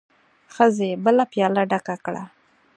ښځې بله پياله ډکه کړه.